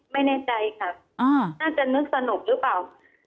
ไม่แน่ใจค่ะน่าจะนึกสนุกหรือเปล่า